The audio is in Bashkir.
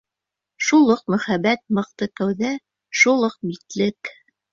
Шул уҡ мөһабәт мыҡты кәүҙә, шул уҡ битлек.